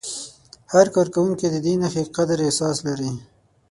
هر کارکوونکی د دې نښې د قدر احساس لري.